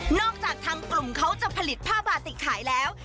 จากทางกลุ่มเขาจะผลิตผ้าบาติกขายแล้ว